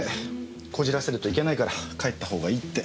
こじらせるといけないから帰ったほうがいいって。